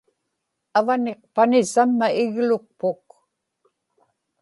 avaniqpani samma iglukpuk